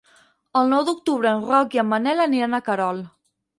El nou d'octubre en Roc i en Manel aniran a Querol.